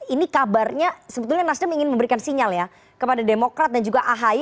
ini kabarnya sebetulnya nasdem ingin memberikan sinyal ya kepada demokrat dan juga ahy